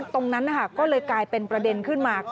ตรงนั้นก็เลยกลายเป็นประเด็นขึ้นมา